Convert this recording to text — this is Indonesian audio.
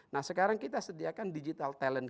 nah sekarang kita sediakan digital talent